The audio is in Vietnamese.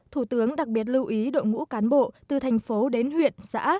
thủ tướng đặc biệt lưu ý đội ngũ cán bộ từ thành phố đến huyện xã